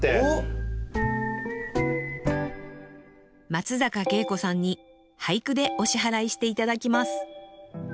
松坂慶子さんに俳句でお支払いして頂きます